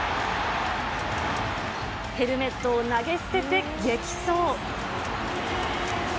ヘルメットを投げ捨てて激走。